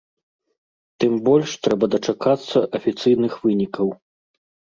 Тым больш трэба дачакацца афіцыйных вынікаў.